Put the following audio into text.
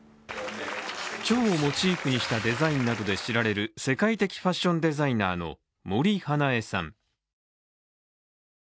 蝶をモチーフにしたデザインなどで知られる、世界的ファッションデザイナーの森英恵さん。